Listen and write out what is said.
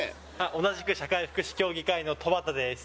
同じく社会福祉協議会の戸畑です